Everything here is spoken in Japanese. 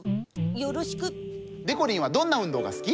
でこりんはどんなうんどうがすき？